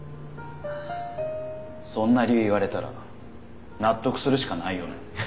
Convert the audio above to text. そんな理由言われたら納得するしかないよね。